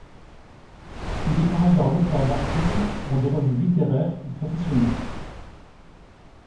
Il est par ailleurs l'auteur d'articles pour des revues littéraires ou professionnelles.